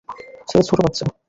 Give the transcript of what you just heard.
সে ছোট বাচ্চা।